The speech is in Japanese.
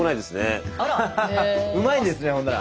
うまいんですねほんなら。